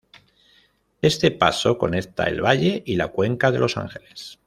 Este paso conecta el valle y la cuenca de Los Ángeles.